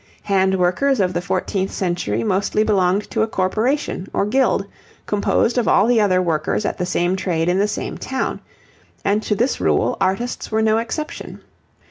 Hand workers of the fourteenth century mostly belonged to a corporation or guild composed of all the other workers at the same trade in the same town, and to this rule artists were no exception.